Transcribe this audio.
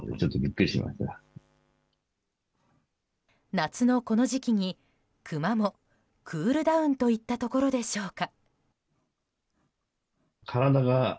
夏のこの時期にクマもクールダウンといったところでしょうか。